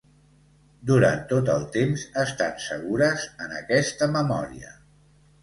Durant tot el temps estan segures en aquesta memòria.